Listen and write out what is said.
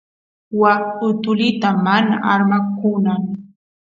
waa utulita mana armakunan